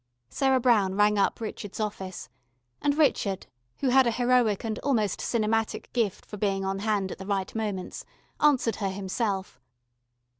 Sarah Brown rang up Richard's office, and Richard, who had a heroic and almost cinematic gift for being on hand at the right moments, answered her himself.